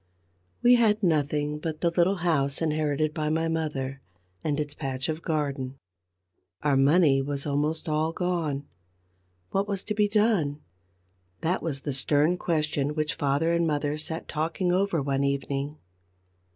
We had nothing but the little house inherited by my mother, and its patch of garden. Our money was almost all gone. What was to be done? That was the stern question which father and mother sat talking over one evening.